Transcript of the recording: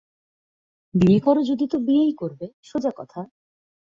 বিয়ে কর যদি তো বিয়েই করবে, সোজা কথা।